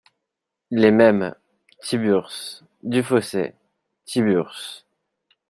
Les Mêmes, Tiburce, Dufausset Tiburce .